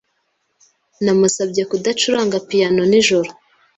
Namusabye kudacuranga piyano nijoro.